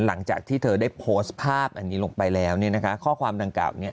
หลังจากที่เธอได้โพสต์ภาพอันนี้ลงไปแล้วเนี่ยนะคะข้อความดังกล่าวเนี่ย